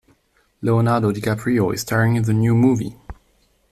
Leonardo DiCaprio is staring in the new movie.